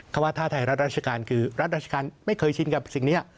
เขาว่าถ้าไทยรัฐราชการคือรัฐราชการไม่เคยชินกับสิ่งนี้